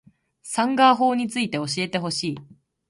サンガ―法について教えてほしい